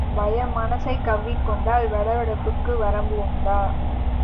பயம் மனசைக் கவ்விக்கொண்டால், வெட வெடப்புக்கு வரம்பு உண்டா?